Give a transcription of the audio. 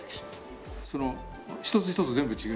その一つ一つ全部違う。